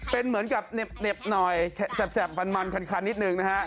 เป็นเหมือนกับเหน็บหน่อยแสบมันคันนิดนึงนะฮะ